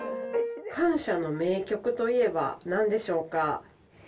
感謝の名曲といえばなんでしょうか？